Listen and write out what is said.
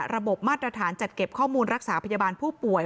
มาตรฐานจัดเก็บข้อมูลรักษาพยาบาลผู้ป่วย